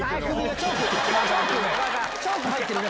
チョーク入ってるね。